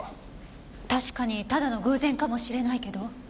確かにただの偶然かもしれないけど。